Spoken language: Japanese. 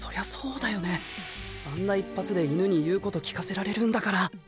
あんな一発で犬に言うこと聞かせられるんだから。